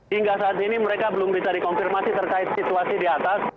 hingga saat ini mereka belum bisa dikonfirmasi terkait situasi di atas